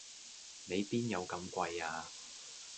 你邊有咁貴呀